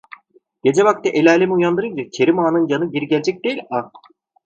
Gece vakti elalemi uyandırınca Kerim Ağa'nın canı geri gelecek değil a!